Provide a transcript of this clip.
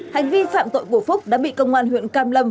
hành vi phạm tội của phúc đã bị công an huyện cam lâm